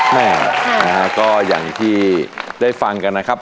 แม่นะฮะก็อย่างที่ได้ฟังกันนะครับ